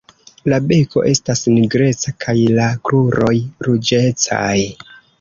La beko estas nigreca kaj la kruroj ruĝecaj.